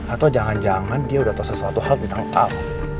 atau jangan jangan dia udah tahu sesuatu hal tentang